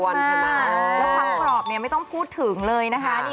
แล้วความกรอบเนี่ยไม่ต้องพูดถึงเลยนะคะ